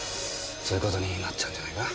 そういう事になっちゃうんじゃないかな。